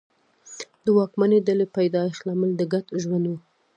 د واکمنې ډلې پیدایښت لامل د ګډ ژوند و